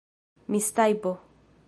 mistajpo